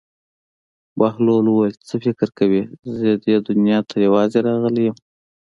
بهلول وویل: څه فکر کوې زه دې دنیا ته یوازې راغلی یم.